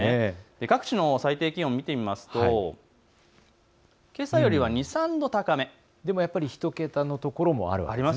各地の最低気温、見てみますとけさよりは２、３度高め、やはり１桁のところもあります。